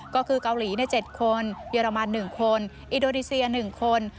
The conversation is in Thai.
ก็คือเกาหลีใน๗คนเยอรมัน๑คนอินโดนีเซีย๑คน